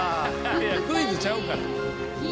いやクイズちゃうから。